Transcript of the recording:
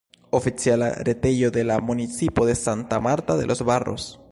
Oficiala retejo de la municipo de Santa Marta de los Barros.